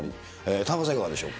田中さん、いかがでしょうか。